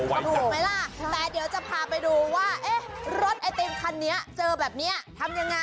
โอ้โฮไว้สักแต่เดี๋ยวเราจะพาไปดูว่ารถไอติมคันนี้เจอแบบนี้ทำยังไง